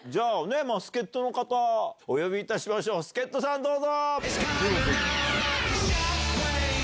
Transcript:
助っ人の方お呼びいたしましょう助っ人さんどうぞ！